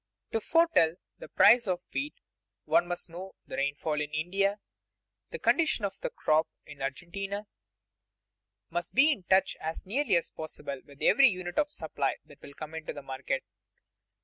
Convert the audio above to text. To foretell the price of wheat one must know the rainfall in India, the condition of the crop in Argentina, must be in touch as nearly as possible with every unit of supply that will come into the market.